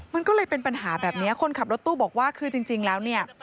มันก็เลยเป็นปัญหาแบบนี้คนขับรถตู้บอกว่าคือจริงแล้วเนี่ย